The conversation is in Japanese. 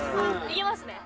いけますね。